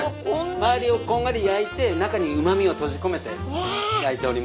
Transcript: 周りをこんがり焼いて中にうまみを閉じ込めて焼いております。